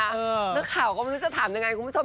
นักข่าวก็ไม่รู้จะถามยังไงคุณผู้ชม